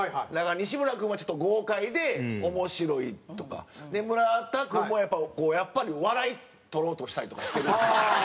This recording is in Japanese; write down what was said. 西村君はちょっと豪快で面白いとか村田君もこうやっぱり笑い取ろうとしたりとかしてる。